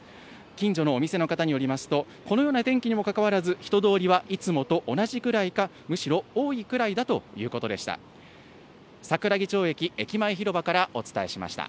近所のお店の方によりますとこのような天気にもかかわらず人通りはいつもと同じくらいかむしろ多いくらいだということでした。